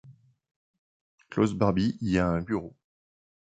Klaus Barbie y a un bureau.